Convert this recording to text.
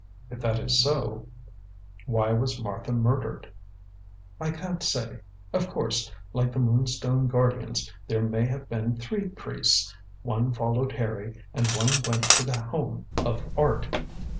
"If that is so, why was Martha murdered?" "I can't say. Of course, like the Moonstone guardians, there may have been three priests. One followed Harry and one went to The Home of Art."